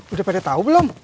udah pada tau belum